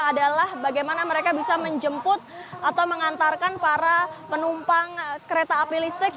adalah bagaimana mereka bisa menjemput atau mengantarkan para penumpang kereta api listrik